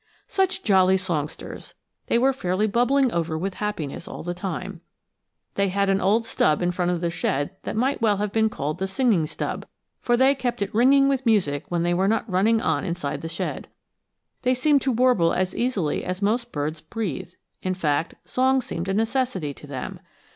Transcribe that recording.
Such jolly songsters! They were fairly bubbling over with happiness all the time. They had an old stub in front of the shed that might well have been called the singing stub, for they kept it ringing with music when they were not running on inside the shed. They seemed to warble as easily as most birds breathe; in fact, song seemed a necessity to them.